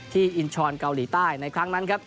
อินชรเกาหลีใต้ในครั้งนั้นครับ